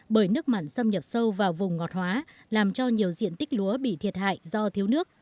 bởi nước mặn xâm nhập sâu vào vùng ngọt hóa làm cho nhiều diện tích lúa bị thiệt hại do thiếu nước